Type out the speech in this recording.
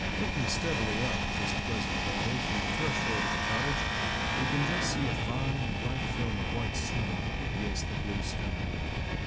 Looking steadily up this pleasant valley from the threshold of the cottage, we can just see a fine, light film of white smoke against the blue sky.